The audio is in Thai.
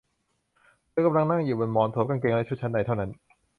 เธอกำลังนั่งอยู่บนหมอนสวมกางเกงและชุดชั้นในเท่านั้น